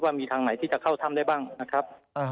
มีทางไหนที่จะเข้าถ้ำได้บ้างนะครับ